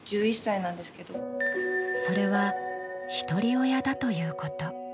それは、ひとり親だということ。